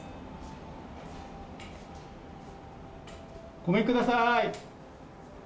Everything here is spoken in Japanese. ごめんください。